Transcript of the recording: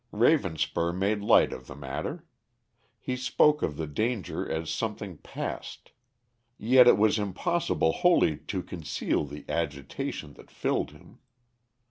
Ravenspur made light of the matter. He spoke of the danger as something past. Yet it was impossible wholly to conceal the agitation that filled him.